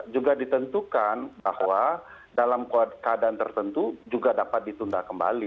juga ditentukan bahwa dalam keadaan tertentu juga dapat ditunda kembali